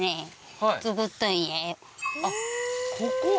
あっここ？